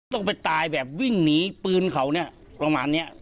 ต้องไปตายแบบวิ่งหนีปืนเขาเนี่ยประมาณเนี้ย